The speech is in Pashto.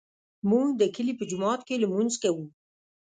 موږ د کلي په جومات کې لمونځ کوو